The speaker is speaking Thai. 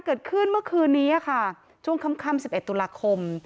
เกิดขึ้นเมื่อคืนนี้ค่ะช่วงค่ำ๑๑ตุลาคม